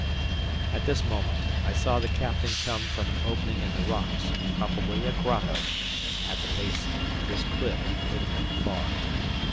At this moment, I saw the captain come from an opening in the rocks, probably a grotto, at the base of this cliff hidden in the fog.